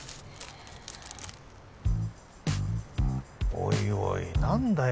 おいおい何だよ